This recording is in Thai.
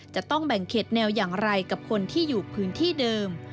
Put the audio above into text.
จะต้องแบ่งเขตแนวอย่างไรกับคนที่อยู่พื้นที่เดิม